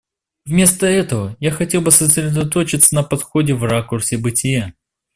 Вместо этого я хотел бы сосредоточиться на подходе в ракурсе бытия.